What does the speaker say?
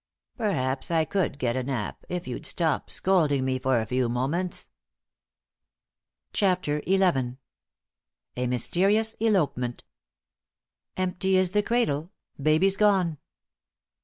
Perhaps I could get a nap if you'd stop scolding me for a few moments." *CHAPTER XL* *A MYSTERIOUS ELOPEMENT.* Empty is the cradle; baby's gone!